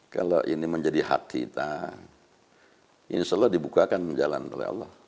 kalau ini menjadi hak kita insya allah dibuka akan menjalankan oleh allah